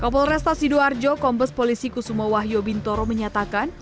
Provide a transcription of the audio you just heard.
kapolresta sidoarjo kompes polisi kusuma wahyo bintoro menyatakan